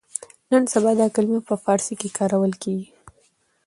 نن سبا دا کلمه په فارسي کې کارول کېږي.